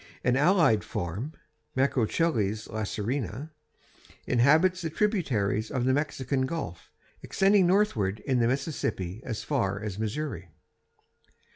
An allied form (Macrochelys lacertina) inhabits the tributaries of the Mexican Gulf, extending northward in the Mississippi as far as Missouri.